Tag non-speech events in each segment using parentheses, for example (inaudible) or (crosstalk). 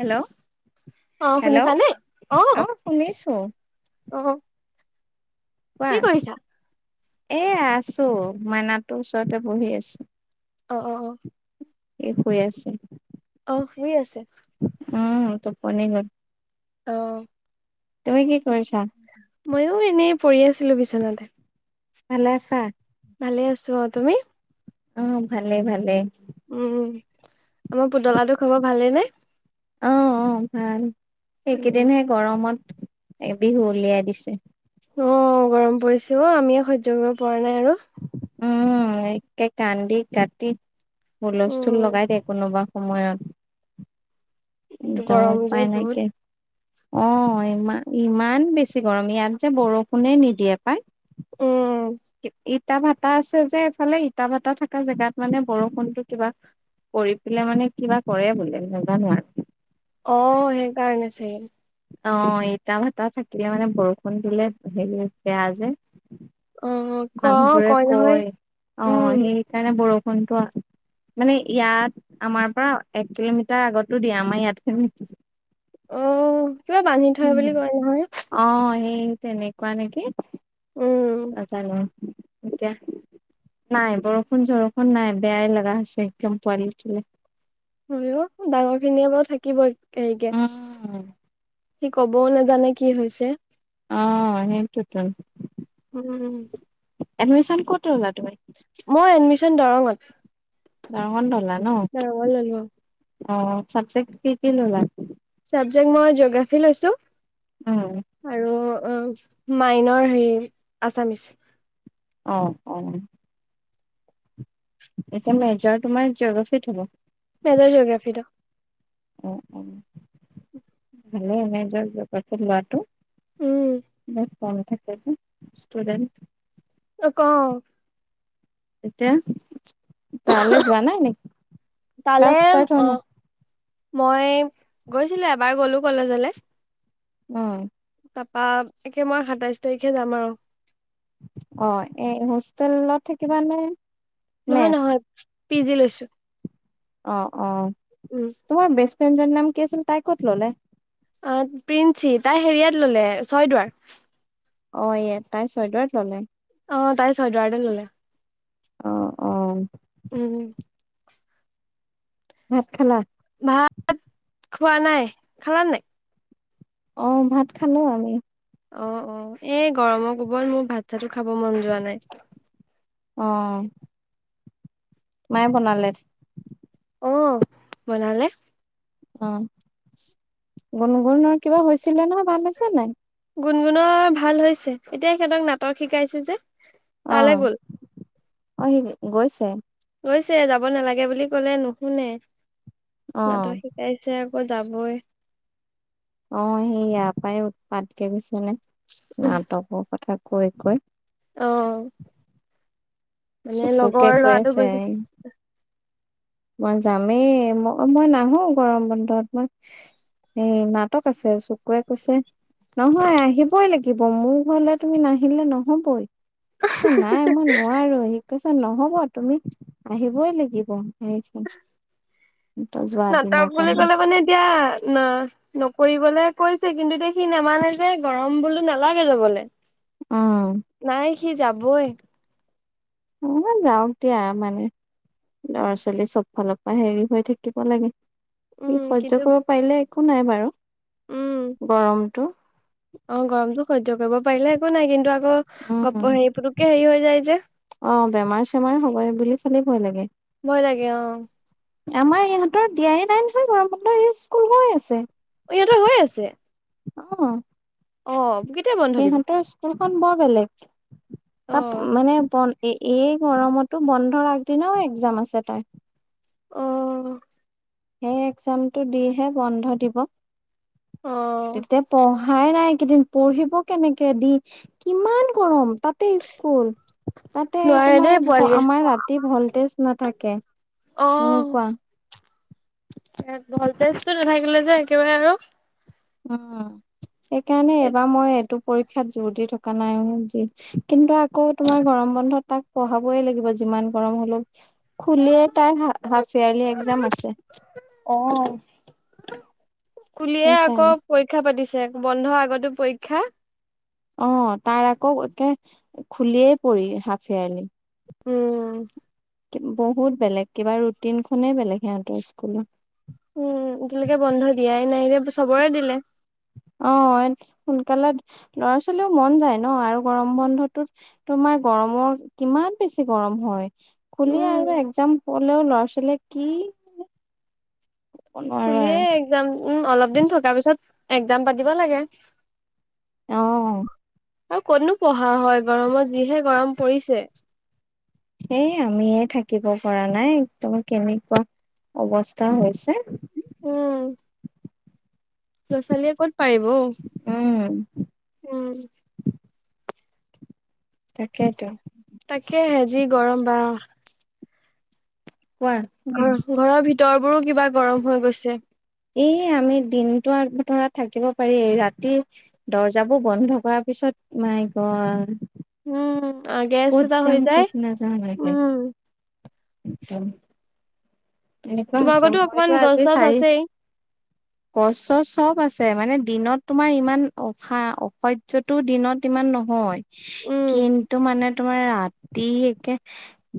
Hello অ' hello শুনিছানে? অ'। অ' কোৱা কি কৰিছা? এ, আছো মাইনাটোৰ ওচৰতে বহি আছো। অ', অ', অ'। ই শুই আছে। ই শুই আছে? উম, টোপনি গ'ল। অ'। তুমি কি কৰিছা? ময়ো এনেই পৰি আছিলোঁ বিচনাতে। ভালে আছা? ভালে আছো অ'। তুমি? অ' ভালেই ভালে। উম, আমাৰ পুতলাটোৰ খবৰ ভালেই নে? অ', অ' ভাল উম এইকেইদিনহে গৰমত এ, বিহু উলিয়াই দিছে। অ' গৰম পৰিছে অ' আমিয়ে সহ্য কৰিব পৰা নাই আৰু। উম, একে কান্দি কাটি হুলস্থুল উম লগাই দে কোনোবা সময়ত একদম গৰম যে ওপাই বহুত নাইকিয়। অ' ইমান ইমান বেছি গৰম ইয়াত যে বৰষুণে নিদিয়ে পায়। উম। ইটা ভটা আছে যে এফালে ইটা ভটা থকা জেগাত মানে বৰষুণতটো কিবা। কৰি পেলাই মানে কিবা কৰে বোলে নাজানো আৰু। অ' সেইকাৰণে চাগে। অ' ইটা ভটা থাকিলে মানে বৰষুণ দিলে হেৰি বেয়া যে। অ ক মানুহবোৰে নহয় কয় উম অ' সেইকাৰণে বৰষুণটো। মানে ইয়াত আমাৰ পৰা এক কিলোমিটাৰ আগতো দিয়ে, আমাৰ ইয়াত খিনি অ' কিবা বান্ধি থয় বুলি কয় নহয়। অ সেই তেনেকুৱা নেকি উম নাজানো, এতিয়া। নাই বৰষুণ চৰষুণ নাই বেয়াই লগা হৈছে একদম পোৱালিটে। আৰু ডাঙৰ খিনিয়ে বাৰু থাকিব। হেৰিকে উম সি কবও নাযানে। জানে কি হৈছে। অ' সেইটো তো উম। এডমিশ্যন ক'ত ল'লা? তুমি মই এডমিশ্যন দৰংত। দৰংত ল'লা। ন দৰংত ল'লো। অ' চাবজেক্ট কি কি ল'লা। চাবজেক্ট মই জিঅগ্ৰাফী লৈছোঁ। উম। উম, মাইনৰ হেৰি আছামিচ। অহ' অহ'। এতিয়া মেজৰ তোমাৰ জিঅ'গ্ৰাফিত হ'ব। মেজৰ জিঅ'গ্ৰাফিত অ'। উ, উ, ভালে এনেই মেজৰ জিঅ'গ্ৰাফিত লোৱাটো। উম, বহুত কম থাকে যে ষ্টুডেণ্ট। অ' ক। এতিয়া। তালে যোৱা নাই নেকি? ক্লাছ তালে ষ্টাৰ্ট হোৱা নাই। অ' মই গৈছিলো, এবাৰ গলো কলেজলে। উম। তাৰাপা একে মই সাতাইশ তাৰিখে যাম আৰু। অ' এই হোষ্টেলত থাকিবানে? নহয়, নহয়, পি জি লৈছোঁ। অ' অ' তোমাৰ বেষ্ট ফ্ৰেণ্ডজনীৰ নাম কি আছিল? তাই ক'ত ল'লে? অ' প্ৰিন্সি তাই হেৰিয়াত ল'লে ছয়দুৱাৰত। অ' ইএচ তাই ছয়দৱাৰত ল'লে। অ' তাই ছইদৰাত এ ল'লে, অ অ উম। ভাত খালা? ভাত খোৱা নাই, খালা নে নাই? অ' ভাত খালো আমি। অ' অ' এই গৰমৰ কোবত মোৰ ভাত-চাতো খাব মন যোৱা নাই। অহ' মায়ে বনালে। অ' বনালে। অ' গুণগুণৰ কিবা হৈছিলে নহয় ভাল হৈছে নে নাই। গুণগুণৰ ভাল হৈছে, এতিয়া সিহঁতক নাটক শিকাইছে যে। তালৈ অ', গ'ল অ', সি গৈছে। (unintelligible) যাব নালাগে বুলি ক'লে নুশুনে, অ', নাটক শিকাইছে (unintelligible) যাবই। অ', সি ইয়াৰ পৰাই উৎপাতকে গৈছে নে, নাটকৰ কথা কৈ কৈ অহ, মানে চকুকে লগৰ কৈ লৰাটো আছে গৈছে মই যামেই, ম-মই নাহো গৰম বন্ধত, মই এ নাটক আছে, চুকুৱে কৈছে নহয় আহিবই লাগিব, মোৰ ঘৰলে তুমি নাহিলে নহবই। (unintelligible) নাই মই নোৱাৰো, সি কৈছে নহব, তুমি আহিবই লাগিব। (unintelligible) যোৱা দিনা নাটক বুলি কাহিনী ক'লে মানে এতিয়া, না-নকৰিবলে কৈছে কিন্তু এতিয়া সি নেমানে যে, গৰম বোলো নালাগে যাবলে। অ', নাই সি যাবই। উ, যাওঁক দিয়া মানে লৰা-ছোৱালী চব ফালৰ পৰা হেৰি হৈ থাকিব লাগে। সি উম সহ্য কিন্তু কৰিব পাৰিলে একো নাই বাৰু, উম গৰমটো। অ', গৰমতো সহ্য কৰিব পাৰিলে একো নাই কিন্তু আ উম (unintelligible) পুতুককে হেৰি হৈ যায় যে। অ বেমাৰ চেমাৰ হবই বুলি চালেই ভয় লাগে। ভয় লাগে, অ'। আমাৰ ইহঁতৰ দিয়াই নাই নহয় গৰম বন্ধ, স্কুল হৈ আছে। অ', ইহঁতৰ হৈ আছে। অ'। অ', (unintelligible) সিহঁতৰ স্কুলখন বৰ বেলেগ, অ তাত মানে বন এ-এই গৰমতো, বন্ধৰ আগদিনাও এক্জাম আছে তাৰ। অ'। সেই এক্জামটো দিহে বন্ধ দিব। অ'। তেতিয়া (unintelligible) নাই এইকেইদিন পঢ়িব কেনেকে, দি কিমান গৰম। তাতে স্কুল, তাতে নোৱাৰে তোমাৰ দেই পোৱালিয়ে আমাৰ ৰাতি ভলটেজ নাথাকে। এনেকুৱা। এ, ভলতেজটো নাথাকে যে একেবাৰে আৰু উ, সেইকাৰণে এইবাৰ মই এইটোক পৰীক্ষাত জোৰ দি থকা নাই যি, কিন্তু আকৌ তোমাৰ গৰম বন্ধত তাক পঢ়াবই লাগিব যিমান গৰম হলেওঁ। খুলিয়ে তাৰ হা-হাফ এয়াৰলি আ (unintelligible) যাম আছে। খুলিয়ে আকৌ সেইকাৰণে পৰীক্ষা পাতিছে, বন্ধ আগতো পৰীক্ষা। অ', তাৰ আকৌ একে খুলিয়েই পৰি, হাফ ইয়াৰলি। উম। বহুত বেলেগ, কিবা ৰুটিনখনেই বেলেগ সিহঁতৰ স্কুলত। উম, এতিয়ালৈকে বন্ধ দিয়াই নাই, চবৰে দিলে। অ', সোনকালে ল'ৰা ছোৱালীও মন যায় ন' আৰু গৰম বন্ধটোত তোমাৰ গৰমৰ, কিমান বেছি গৰম হয়। খুলিয়ে উম আৰু একজাম পলেও, ল'ৰা ছোৱালীয়ে কি নোৱাৰো আৰু খুলিয়েই একজাম। উম, অলপ দিন থকা পিছত একজাম পাতিব লাগে। অ'। আৰু কতনো পঢ়া হয় বাৰু, (unintelligible) যিহে গৰম পৰিছে। সেই আমিয়ে থাকিব পৰা নাই, একদমাৰ কেনেকুৱা অৱস্থা, হৈছে। উম ল'ৰা, ছোৱালীয়ে ক'ত পাৰিব। উম, উম তাকেইতো তাকে, হেবি গৰম বা। কোৱা। ঘ, ঘৰৰ ভিতৰবোৰো কিবা গৰম হৈ, গৈছে। এ, আমি দিনটো আগ বতৰা থাকিব পাৰি। ৰাতিৰ দৰ্জাবোৰ বন্ধ কৰ পিছত মাই, গড। উম। আগে গেছ ক'ত এটা হৈ, যাম যায়, ক'ত নাযাওঁ লাগে উম। একদম। এনেকুৱা হৈছে, তোমালোকৰতো অকমান মইতো গছ আজি চছ চাৰি আছেই। গছ, ছছ চব আছে, মানে দিনত তোমাৰ ইমান অসা, অসহ্যতটো দিনত ইমান নহয়, উম, কিন্তু মানে তোমাৰ ৰাতি একে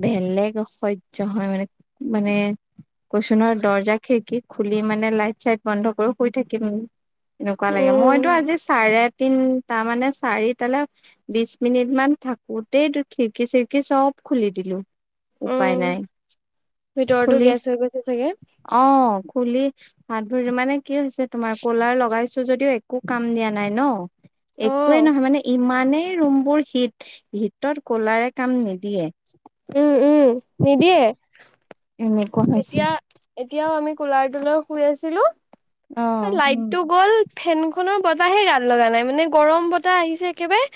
বেলেগ অসহ্য হয়, মানে মানে। কৈচুনহৈ দৰ্জা, খিৰিকী খুলি মানে লাইট, চাইট বন্ধ কৰি শুই থাকিম। এনেকুৱা লাগে, মইতো উম, আজি চাৰে তিনি, তাৰ মানে, চাৰি তালৈ বিশ মিনিট মান থাকোতেই খিৰিকি, চিৰিকি চব খুলি দিলো, উপায় নাই, উম, ভিতৰতো খুলি গেছ হৈ গৈছে চাগে। অ, খুলি হাত ভৰি মানে কি হৈছে তোমাৰ কলাৰ লগাইছো যদিও একো কাম দিয়া নাই, ন। একোৱে অ', নহয় মানে, ইমানেই ৰুম বোৰ হীট, হীটত ক'লাৰে কাম নিদে। দিয়ে। উম, উম, নিদিয়ে। এনেকুৱা, হৈছে। এতিয়া এতিয়াও আমি কুলাৰটোলৈ শুই আছিলো অ'। লাইটটো গ'ল। ফেনখনৰ বতাহে গাত লগা নাই, মানে গৰম বতাহ আহিছে একেবাৰে।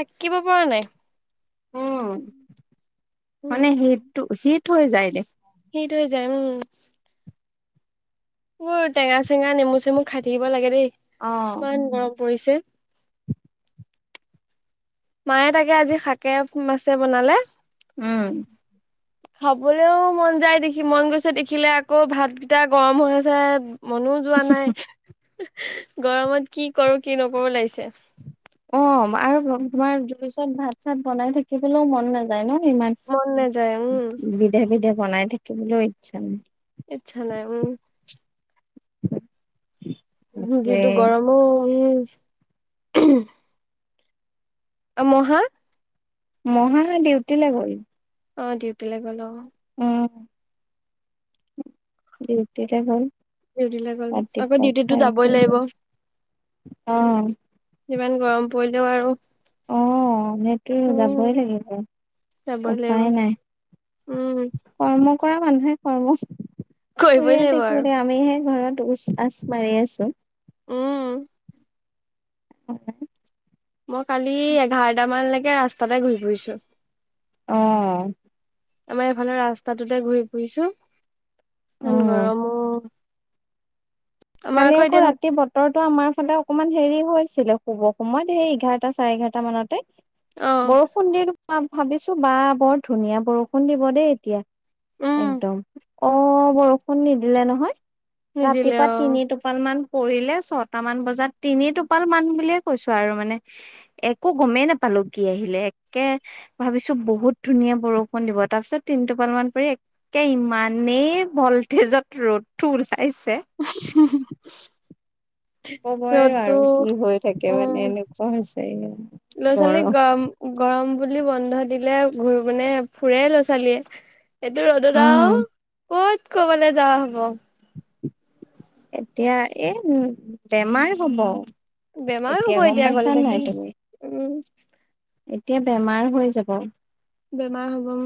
থাকিব পৰা নাই। উম, উম, মানে শীতটো, শীত হৈ যায় দে। সটো হৈ, যায়, উম। মোৰ টেঙা, চেঙা নেমু, চেমু খাই থাকিব লাগে দেই। আহ। ইমান গৰম পৰিছে। (inaudible) মায়ে তাকে আজি শাকে, মাছে বনালে। উম। খাবলৈও মন যায় দেখি মন গৈছে, দেখিলে আকৌ ভাতকেইটা গৰম হৈ, আছে। মনোও যোৱা নাই, গৰমত কি কৰো, কি নকৰো লাগিছে। অ, আৰু তোমাৰ জুই চত ভাত, চাত বনাই থাকিবলৈও মন নাযায়, ন। ইমান মন নাযায় উম বিধে, বিধে বনাই থাকিবলৈও ইচ্ছা নাই। ইচ্ছা নাই, উম। বাপৰে। যিতটো গৰমো, উ। মহা। মহা, ডিউটিলে গ'ল। অ, ডিউটিলৈ গ'ল অ'। উম। ডিউটি লৈ গ'ল। ডিউটৈ গ'ল। আকৌ ৰাতিপুৱা ডিউটিতো খাই যাবই বৈ লাগিব। অ ইমান গৰম পৰিলেও আৰু। অ, সেইতোৱে উম যাবই লাগিব, যাবই লাগিব উপায় নাই। উম কৰ্ম কৰা মানুহে কৰ্ম কৰিবই কৰি লাগিব আৰু থাকিব, আমিহে ঘৰত উচ, আচ মাৰি আছো। উম। (inaudible) মই কালি এঘাৰটা মানলৈকে ৰাস্তাতে ঘৰি ফুৰিছো। আহ। আমাৰ এফালে ৰাস্তাটোতে ঘূৰি ফুৰিছো অ ইমান গৰমও। কালি আকৌ ৰাতি বতৰটো আমাৰ ফালে অকনমান হেৰি হৈছে। শুব সময়ত সেই এঘাৰতা চাৰে এঘাৰতা মানতে। অ বৰষুণ ভাবিছো বা বৰ ধুনীয়া বৰষুণ দিব দেই এতিয়া। উম একদম অ' বৰষুণ নিদিলে নহয়। নিদিলে ৰাতিপুৱা অ'। তিনি টোপাল মান পৰিলে ছটা মান বজাত তিনি টোপাল মান বুলিয়ে কৈছো আৰু মানে একো গমেই নাপালো। কি আহিলে একে ভাবিছো বহুত ধুনীয়া বৰষুণ দিব। তাৰ পিছত তিনটোপাল মান পৰি ইমানেই ভল্টেজত ৰ'দটো ওলাইছে। কবই ৰ'দতো নোৱাৰো কি হৈ থাকে মানে উম এনেকুৱা হৈছে লৰা ছোৱালী গৰম গৰম বুলি বন্ধ দিলে মানে ফুৰেই ল'ৰা ছোৱালীয়ে এইটো ৰ'দত আও উম ক'ত কৰবালৈ যোৱা হ'ব। এতিয়া এ বেমাৰ হ'ব। বেমাৰ হ'ব এতিয়া গম গ'লে পাইছা তাকে নহয় তুমি। উম এতিয়া বেমাৰ হৈ যাব। বেমাৰ হ'ব উম।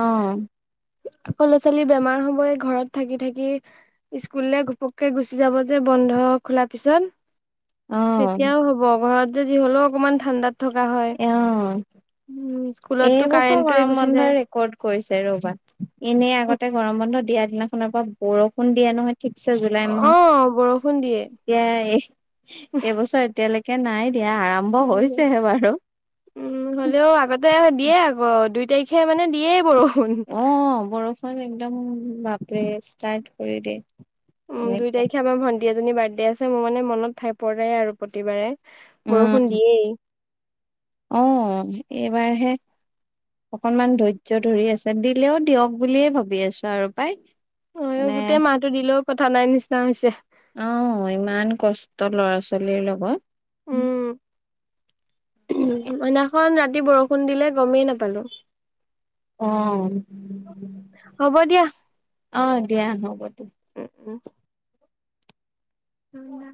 অ আকৌ ল'ৰা ছোৱালী বেমাৰ হ'বই ঘৰত থাকি থাকি স্কুললে ঘপককে গুচি যাব যে। বন্ধ খোলাৰ পিছত অ তেতিয়াও হ'ব ঘৰত যে যি হলেও অকমান ঠাণ্ডা অ', স্কুলততো এইবছৰ কাৰেণ্টটোৱে গৰম গুচি বন্ধই যায় ৰেকৰ্ড কৰিছে এনেই আগতে গৰম বন্ধ দিয়া দিনাখনৰ পৰা বৰষুণ দিয়া নহয়। ঠিকছে জুলাই মাহ অ', বৰষুণ দিয়ে। এতিয়া এই এইবছৰ এতিয়ালৈকে নাই। সেইয়া আৰম্ভ নাই দিয়া। হৈছেহে বাৰু। উম, হ'লেও আগতে দিয়ে আকৌ দুই তাৰিখে মানে দিয়েই বৰ অ', বৰষুণ একদম বাপৰে ষ্টাৰ্ট কৰি দিয়ে। উম, দুই এনেকুৱা। তাৰিখে আমাৰ ভন্টি এজনী বাৰ্থডে আছে মোৰ মানে মনত থাই পৰেৰে আৰু প্ৰতিবাৰে। বৰষুণ উম, দিয়েই আহ এইবাৰহে। অকনমান ধৈৰ্য ধৰি আছে দিলেও দিয়ক বুলিয়ে ভাবি আছো আৰু পায়। অ', গোটেই মাহো দিলেও কথা নাই নিচিনা হৈছে। অ', ইমান কষ্ট লৰা ছোৱালীৰ লগত উম। সেইদিনাখন ৰাতি বৰষুণ দিলে গমেই নাপালো। অ', হ'ব দিয়া। দিয়া হ'ব দিয়া। উম।